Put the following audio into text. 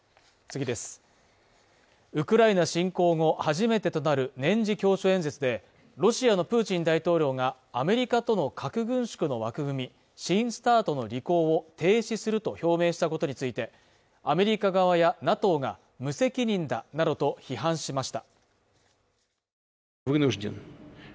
ウクライナ侵攻後初めてとなる年次教書演説で、ロシアのプーチン大統領がアメリカとの核軍縮の枠組み、新ＳＴＡＲＴの履行を停止すると表明したことについて、アメリカ側やＮＡＴＯが無責任だなどと批判しました。